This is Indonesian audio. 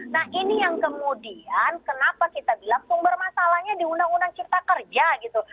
nah ini yang kemudian kenapa kita bilang sumber masalahnya di undang undang cipta kerja gitu